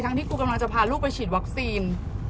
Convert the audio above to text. ที่กูกำลังจะพาลูกไปฉีดวัคซีน